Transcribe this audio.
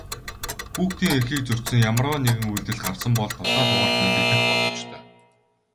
Хүүхдийн эрхийг зөрчсөн ямарваа нэгэн үйлдэл гарсан бол тусгай дугаарт мэдэгдэх боломжтой.